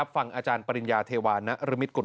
ฟังอาจารย์ปริญญาเทวานรมิตกุล